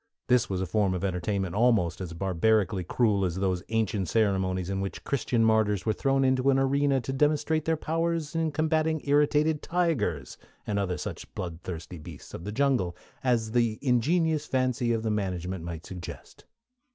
This was a form of entertainment almost as barbarically cruel as those ancient ceremonies in which Christian martyrs were thrown into an arena to demonstrate their powers in combatting irritated tigers, and such other blood thirsty beasts of the jungle as the ingenious fancy of the management might suggest.